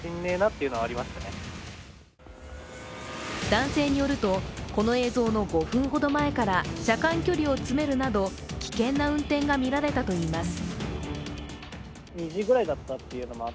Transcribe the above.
男性によると、この映像の５分ほど前から車間距離を詰めるなど危険な運転がみられたといいます。